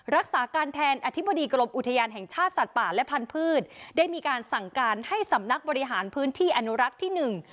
รักษาการแทนอธิบดีกรมอุทยานแห่งชาติสัตว์ป่าและพันธุ์ได้มีการสั่งการให้สำนักบริหารพื้นที่อนุรักษ์ที่หนึ่ง